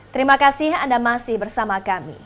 terima kasih anda masih bersama kami